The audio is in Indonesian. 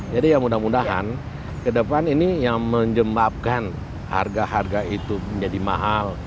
jadi ya mudah mudahan ke depan ini yang menyebabkan harga harga itu menjadi mahal